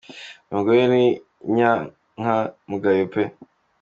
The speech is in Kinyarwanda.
Uyu mugore ni inyanka mugayo pe!